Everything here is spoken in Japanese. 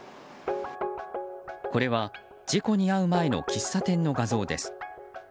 これは事故に遭う前の喫茶店の画像です。